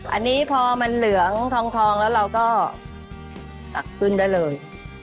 อันนี้พอมันเหลืองทองแล้วเราก็ตักขึ้นได้เลย